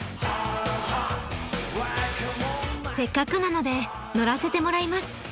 せっかくなので乗らせてもらいます。